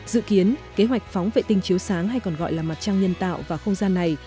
dự kiến kế hoạch phóng vệ tinh chiếu sáng hay còn gọi là mặt trăng nhân tạo vào không gian này